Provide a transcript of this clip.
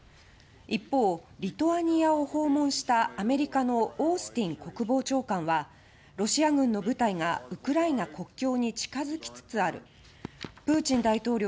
一方、リトアニアを訪問したアメリカのオースティン国防長官はロシア軍の部隊がウクライナ国境に近づきつつある